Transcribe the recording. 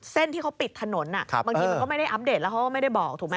ที่เขาปิดถนนบางทีมันก็ไม่ได้อัปเดตแล้วเขาก็ไม่ได้บอกถูกไหม